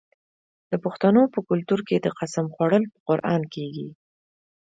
د پښتنو په کلتور کې د قسم خوړل په قران کیږي.